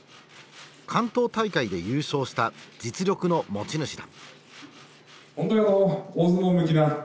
関東大会で優勝した実力の持ち主だ。